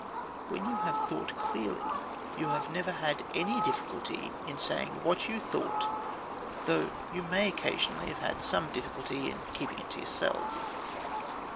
When you have thought clearly you have never had any difficulty in saying what you thought, though you may occasionally have had some difficulty in keeping it to yourself.